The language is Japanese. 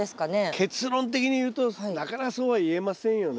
結論的に言うとなかなかそうは言えませんよね。